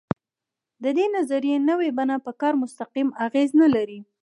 د دې نظریې نوې بڼه پر کار مستقیم اغېز نه لري.